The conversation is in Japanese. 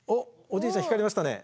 おじいちゃん光りましたね。